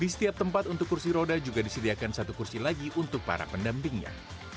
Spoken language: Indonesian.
di setiap tempat untuk kursi roda juga disediakan satu kursi lagi untuk para pendampingnya